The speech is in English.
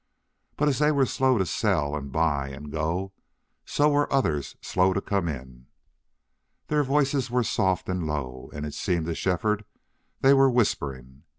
But as they were slow to sell and buy and go, so were others slow to come in. Their voices were soft and low and it seemed to Shefford they were whispering.